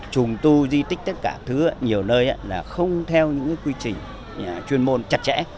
trùng tu di tích tất cả thứ nhiều nơi là không theo những quy trình chuyên môn chặt chẽ